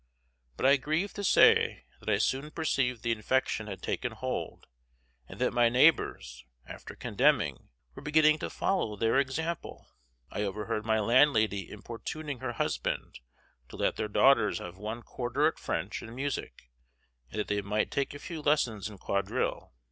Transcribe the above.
But I grieve to say that I soon perceived the infection had taken hold, and that my neighbors, after condemning, were beginning to follow their example. I overheard my landlady importuning her husband to let their daughters have one quarter at French and music, and that they might take a few lessons in quadrille.